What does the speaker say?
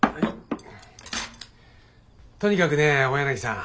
とにかくね大柳さん